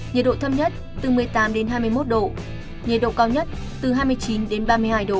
nhiệt độ thấp nhất từ một mươi tám đến hai mươi một độ nhiệt độ cao nhất từ hai mươi chín đến ba mươi hai độ